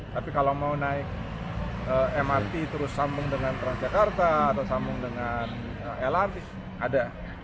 tapi kalau mau naik mrt terus sambung dengan transjakarta atau sambung dengan lrt ada